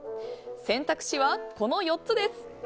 選択肢はこの４つです。